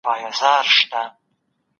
د لويي جرګې مشر ولي بې طرفه وي؟